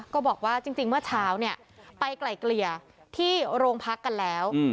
ก็บอกว่าจริงเมื่อเช้าเนี่ยไปไกลเกลี่ยที่โรงพักกันแล้ว